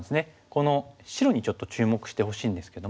この白にちょっと注目してほしいんですけども。